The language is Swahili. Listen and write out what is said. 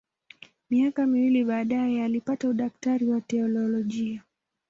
Miaka miwili baadaye alipata udaktari wa teolojia.